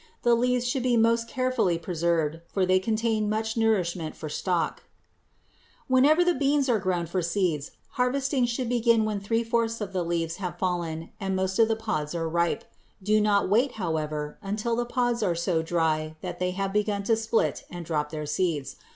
The leaves should be most carefully preserved, for they contain much nourishment for stock. [Illustration: FIG. 238. SOY BEANS IN CORN] Whenever the beans are grown for seeds, harvesting should begin when three fourths of the leaves have fallen and most of the pods are ripe. Do not wait, however, until the pods are so dry that they have begun to split and drop their seeds.